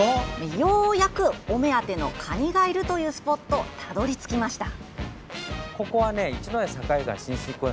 ようやく、お目当てのカニがいるというスポットたどり着きました。